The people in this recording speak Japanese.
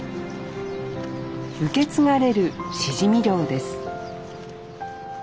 受け継がれるしじみ漁です